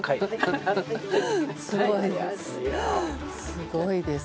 すごいです。